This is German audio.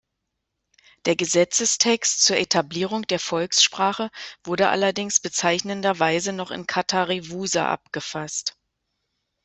Der Gesetzestext zur Etablierung der Volkssprache wurde allerdings bezeichnenderweise noch in Katharevousa abgefasst.